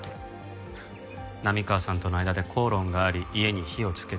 波川さんとの間で口論があり家に火をつけた。